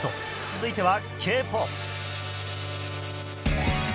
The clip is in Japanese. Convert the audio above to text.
続いては Ｋ−ＰＯＰ